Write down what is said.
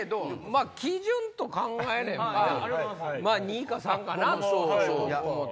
まぁ基準と考えれば２か３かなと思た。